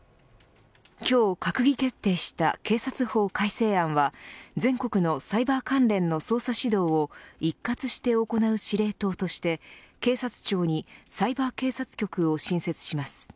今日、閣議決定した警察法改正案は全国のサイバー関連の捜査指導を一括して行う司令塔として警察庁にサイバー警察局を新設します。